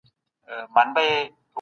په کتابتون کي باید تل نظم مراعات سي.